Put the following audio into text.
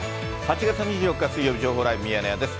８月２４日水曜日、情報ライブミヤネ屋です。